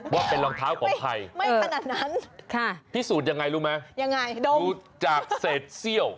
ว่าเป็นรองเท้าของใครค่ะพิสูจน์อย่างไรรู้ไหมดูจากเศษเซี่ยว